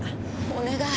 お願い